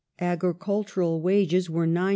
Agricultural wages were 9s.